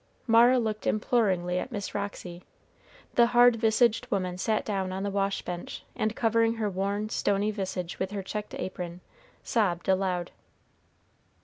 Mara looked imploringly at Miss Roxy. The hard visaged woman sat down on the wash bench, and, covering her worn, stony visage with her checked apron, sobbed aloud.